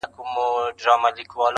• جنتونه یې نصیب کي لویه ربه ..